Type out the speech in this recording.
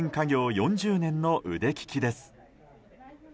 ４０年の腕利きです。